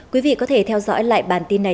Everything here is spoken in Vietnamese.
quý vị có thể theo dõi lại bản tin này